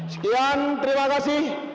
sekian terima kasih